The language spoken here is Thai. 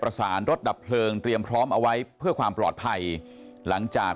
ประสานรถดับเพลิงเตรียมพร้อมเอาไว้เพื่อความปลอดภัยหลังจาก